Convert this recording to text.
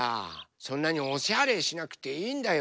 そんなにおしゃれしなくていいんだよ。